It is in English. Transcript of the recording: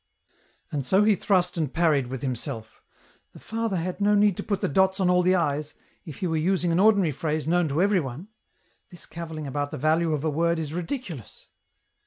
And so he thrust and parried with himself —" The fathei had no need to put the dots on all the i's, if he were using EN ROUTE. 203 an ordinary phrase, known to everyone. This cavilling about the value of a word is ridiculous.''